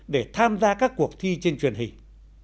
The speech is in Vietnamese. để tham gia các cuộc thi trên truyền hình